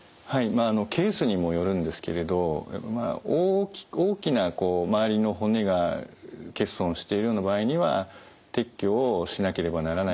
まあケースにもよるんですけれど大きなこう周りの骨が欠損しているような場合には撤去をしなければならないこともあります。